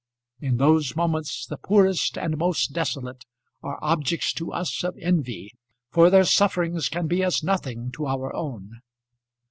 In those moments the poorest and most desolate are objects to us of envy, for their sufferings can be as nothing to our own.